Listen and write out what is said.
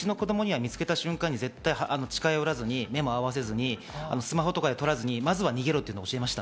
うちの子供には見つけた瞬間に絶対近寄らず、目も合わせず、スマホとかで撮らず、まずは逃げろと教えました。